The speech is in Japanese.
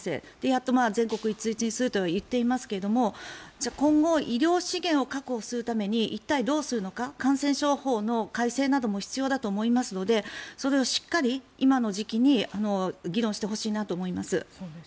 やっと全国一律にすると言っていますが今後、医療資源を確保するために一体どうするのか感染症法の改正なども必要だと思いますのでそれをしっかり今の時期に議論してほしいなと思います。